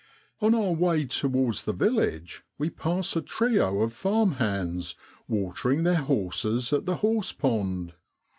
On our way towards the village we pass a trio of farm hands watering their horses at the horsepond.